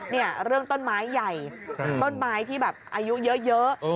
เนี่ยเรื่องต้นไม้ใหญ่ต้นไม้ที่แบบอายุเยอะ